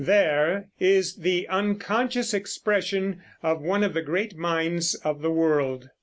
There is the unconscious expression of one of the great minds of the world.